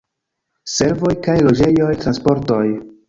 Servoj kaj loĝejoj, transportoj.